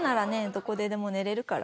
どこででも寝れるから。